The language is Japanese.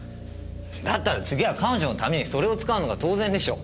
だったら次は彼女のためにそれを使うのが当然でしょ。